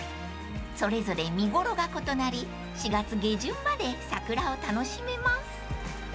［それぞれ見頃が異なり４月下旬まで桜を楽しめます］